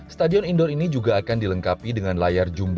stadion indoor ini juga akan dilengkapi dengan layar jumlah